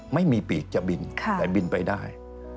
ไม่มีปีกจะบินแต่บินไปได้